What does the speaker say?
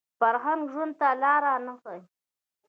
فرهنګ ژوند ته لاره نه ښيي